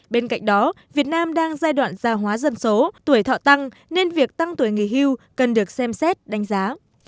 bên cạnh đó việt nam đang giai đoạn gia hóa dân số tuổi thọ tăng nên việc tăng tuổi nghỉ hưu cần được xem xét đánh giá